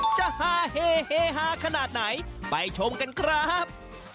ฮาเฮเฮฮาขนาดไหนไปชมกันครับ